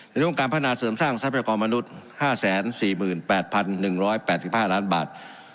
เรื่องของการพัฒนาเสริมสร้างทรัพยากรมนุษย์๕๔๘๑๘๕ล้านบาท